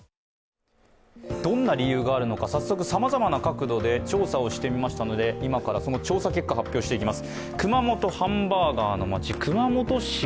どんな理由があるのか、早速さまざまな角度で調査をしてみましたので、今からその調査結果、発表していきます。